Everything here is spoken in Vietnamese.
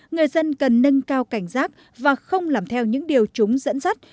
người dân cần nâng cao cảnh giác và không làm theo những điều chúng dẫn dắt